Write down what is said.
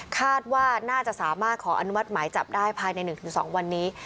คาดว่าน่าจะสามารถขออนุมัติหมายจับได้ภายใน๑๒วันนี้